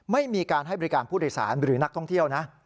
ไม่มีการให้บริการผู้โดยสารหรือนักท่องเที่ยวนะ